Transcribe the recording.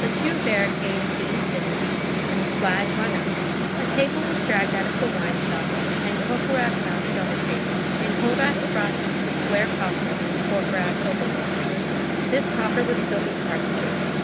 The two barricades being finished, and the flag run up, a table was dragged out of the wine shop; and Courfeyrac mounted on the table. Enjolras brought the square coffer, and Courfeyrac opened it. This coffer was filled with cartridges.